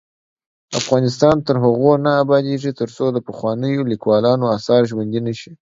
افغانستان تر هغو نه ابادیږي، ترڅو د پخوانیو لیکوالانو اثار ژوندي نشي.